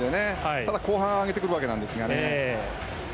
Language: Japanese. ただ、後半上げてくるわけなんですがね。